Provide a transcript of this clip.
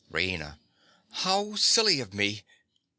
_) RAINA. How silly of me!